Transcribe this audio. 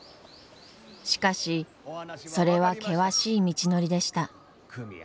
しかしそれは険しい道のりでした。